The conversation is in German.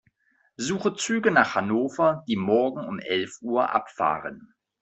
Suche Züge nach Hannover, die morgen um elf Uhr abfahren.